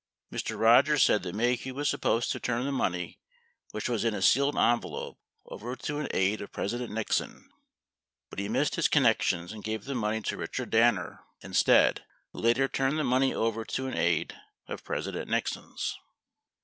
Mr. Rogers said that Maheu was supposed to turn the money which was in a sealed envelope over to an aide of President Nixon but he missed his connections and gave the money to Richard Danner instead, who later turned the money over to an aide of Presi dent Nixon's.